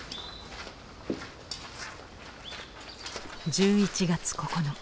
１１月９日。